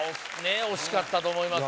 え惜しかったと思います